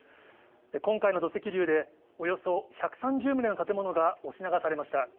今回の土石流で、およそ１３０棟の建物が押し流されました。